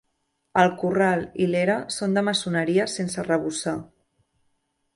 El corral i l'era són de maçoneria sense arrebossar.